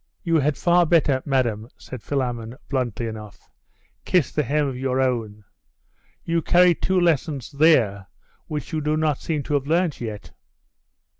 'You had far better, madam,' said Philammon, bluntly enough, 'kiss the hem of your own. You carry two lessons there which you do not seem to have learnt yet.